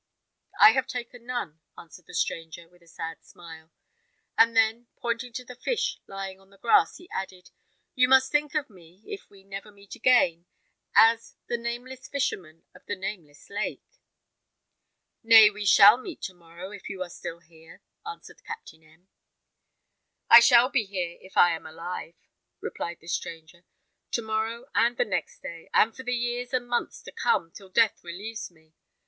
"I have taken none," answered the stranger, with a sad smile; and then, pointing to the fish lying on the grass, he added, "You must think of me, if we never meet again, as the Nameless Fisherman of the Nameless Lake." "Nay, we shall meet to morrow, if you are still here," answered Captain M . "I shall be here, if I am alive," replied the stranger, "to morrow, and the next day, and for the years and months to come, till death relieves me.